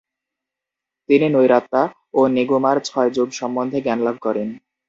তিনি নৈরাত্মা ও নিগুমার ছয় যোগ সম্বন্ধে জ্ঞানলাভ করেন।